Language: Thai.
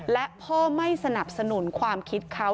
และพ่อไม่สนับสนุนความคิดเขา